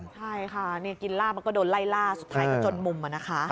ใช่ค่ะกินลาบแล้วก็โดนไล่ลาสุดท้ายก็จนมุม